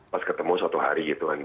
pas ketemu suatu hari gitu kan